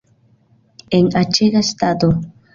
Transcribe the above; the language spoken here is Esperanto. En aĉega stato!